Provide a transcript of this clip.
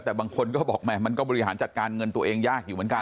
แต่บางคนก็บอกแม่มันก็บริหารจัดการเงินตัวเองยากอยู่เหมือนกัน